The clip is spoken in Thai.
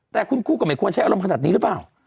แต่คุ้นคู่กับแหมควรใช้อารมณ์ขนาดนี้รึเปล่า